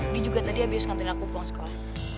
ini juga tadi habis ngantri aku pulang sekolah